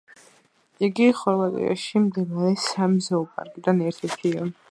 იგი ხორვატიაში მდებარე სამი ზოოპარკიდან ერთ-ერთია.